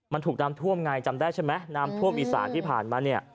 มันถูกน้ำท่วมไงจำได้ใช่ไหมน้ำท่วมอีสานที่ผ่านมาเนี่ย